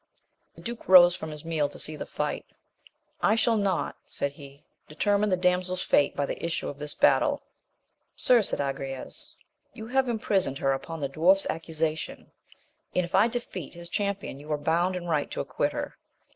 The duke rose from his meal to see the fight. I shall not, , said he, determine the damsel's fate by the issue of this battle. Sir, said Agrayes, you have imprisoned her upon the dwarfs accusation, and if I defeat his champion you are bound in right to acquit her.